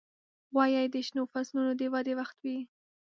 غویی د شنو فصلونو د ودې وخت وي.